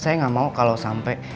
saya nggak mau kalau sampai